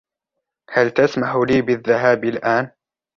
هل تسمح لي بالذهاب الآن ؟